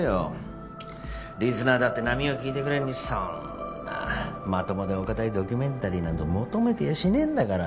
リスナーだって『波よ聞いてくれ』にそんなまともでお堅いドキュメンタリーなんぞ求めてやしねえんだから。